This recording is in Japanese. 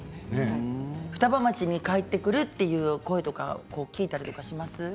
双葉町に帰ってくるという声を聞いたりしますか？